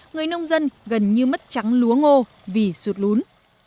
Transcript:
người nông dân gần như mất trắng lúa ngô vì sụt lún